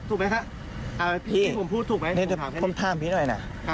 ถูกไหมคะพี่ผมพูดถูกไหมผมถามพี่หน่อยนะ